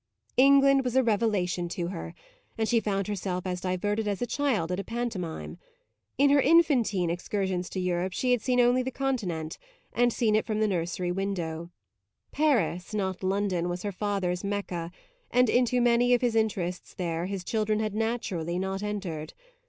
England was a revelation to her, and she found herself as diverted as a child at a pantomime. In her infantine excursions to Europe she had seen only the Continent, and seen it from the nursery window; Paris, not London, was her father's Mecca, and into many of his interests there his children had naturally not entered.